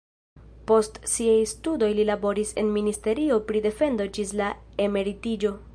Post siaj studoj li laboris en ministerio pri defendo ĝis la emeritiĝo.